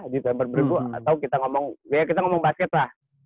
di pertandingan bergu atau kita ngomong basket lah